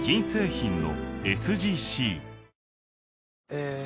え